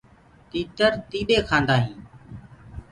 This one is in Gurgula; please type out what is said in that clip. تيٚتر تيڏينٚ ڪآندآ هينٚ۔